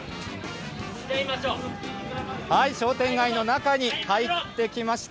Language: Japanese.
商店街の中に入ってきました。